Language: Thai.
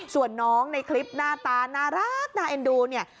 ส่วนน้องในคลิปหน้าตาน่ารักน่าเอ็นดูเนี่ย